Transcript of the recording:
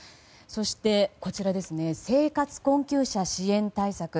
そして、生活困窮者支援対策。